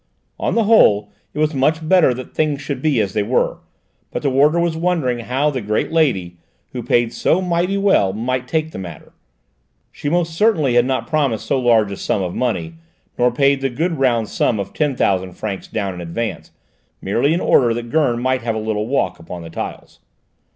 On the whole, it was much better that things should be as they were, but the warder was wondering how the great lady, who paid so mighty well, might take the matter. She most certainly had not promised so large a sum of money, nor paid the good round sum of ten thousand francs down in advance, merely in order that Gurn might have a little walk upon the tiles.